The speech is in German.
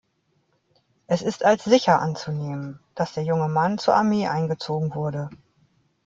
Es ist als sicher anzunehmen, dass der junge Mann zur Armee eingezogen wurde.